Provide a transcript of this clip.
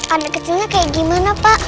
anak kecilnya kayak gimana pak